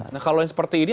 nah kalau yang seperti ini